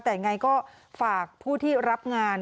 แต่ยังไงก็ฝากผู้ที่รับงาน